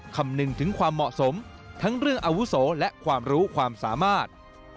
คำนึงถึงความเหมาะสมทั้งเรื่องอาวุโสและความรู้ความสามารถ